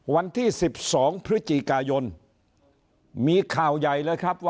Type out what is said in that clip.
วันที่๑๒พฤศจิกายนมีข่าวใหญ่เลยครับว่า